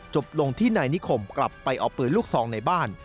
จบลงที่นายนิคมกลับไปเอาปืนลูกซองในบ้าน